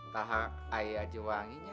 tak ada aja wanginya